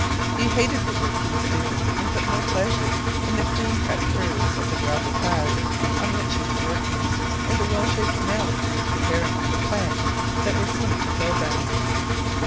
He hated the work he was doing, and put no pleasure in the clean cut curves of the gravel paths on which he was working, or the well shaped mounds he was preparing for the plants that were soon to fill them.